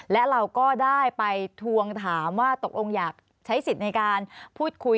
และเราก็ได้ไปทวงถามว่าตกลงอยากใช้สิทธิ์ในการพูดคุย